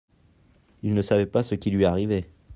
il ne savait pas ce qui lui arrivait.